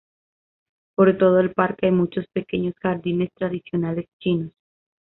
Por todo el parque hay muchos pequeños jardines tradicionales chinos.